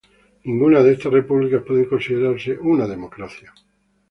Ninguna de estas repúblicas puede considerarse una democracia.